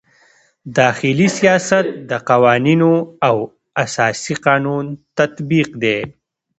داخلي سیاست د قوانینو او اساسي قانون تطبیق دی.